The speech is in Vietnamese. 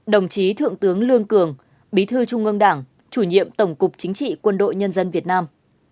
một mươi chín đồng chí thượng tướng lương cường bí thư trung ương đảng chủ nhiệm tổng cục chính trị quân đội nhân dân việt nam